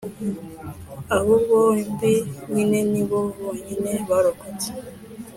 Abo bombi nyine ni bo bonyine barokotse